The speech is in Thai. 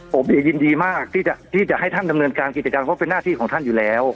ผมเองยินดีมากที่จะให้ท่านดำเนินการกิจการเพราะเป็นหน้าที่ของท่านอยู่แล้ว